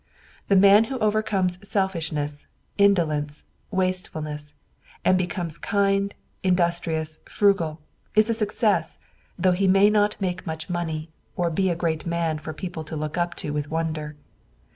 The man who overcomes selfishness, indolence, wastefulness, and becomes kind, industrious, frugal, is a success, though he may not make much money, or be a great man for people to look up to with wonder.